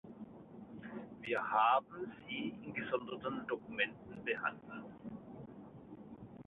Wir haben sie in gesonderten Dokumenten behandelt.